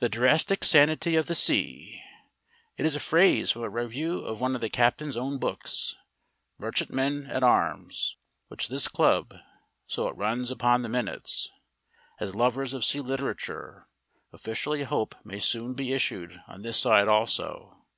"The drastic sanity of the sea" it is a phrase from a review of one of the captain's own books, "Merchantmen at Arms," which this club (so it runs upon the minutes), as lovers of sea literature, officially hope may soon be issued on this side also.